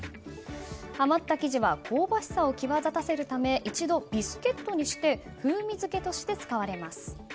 余った生地は香ばしさを際立たせるため一度ビスケットにして風味付けとして使われます。